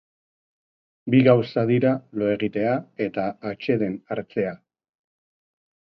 Bi gauza dira lo egitea eta atseden hartzea.